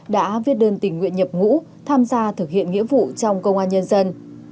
đã viết đơn tình nguyện nhập ngũ tham gia thực hiện nghĩa vụ trong công an nhân dân